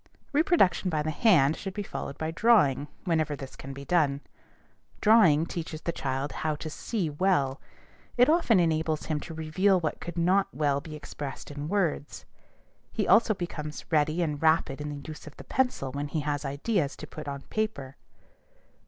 Reproduction by the hand should be followed by drawing, whenever this can be done. Drawing teaches the child how to see well. It often enables him to reveal what could not well be expressed in words. He also becomes ready and rapid in the use of the pencil when he has ideas to put on paper.